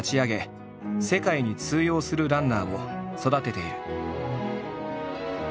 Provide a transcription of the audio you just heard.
世界に通用するランナーを育てている。